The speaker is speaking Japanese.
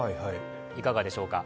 いかがでしょうか。